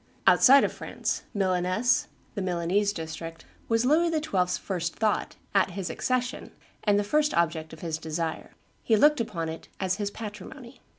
Outside of France, Milaness [the Milanese district] was Louis XII.'s first thought, at his accession, and the first object of his desire. He looked upon it as his patrimony.